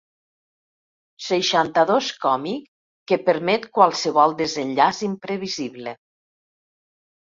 Seixanta-dos còmic, que permet qualsevol desenllaç imprevisible.